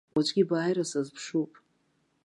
Уаҵәгьы бааира сазыԥшуп.